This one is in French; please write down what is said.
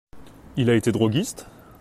Il a été droguiste ?